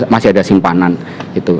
masih ada simpanan gitu